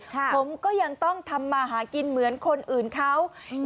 ผมก็ยังต้องทำมาหากินเหมือนคนอื่นเขา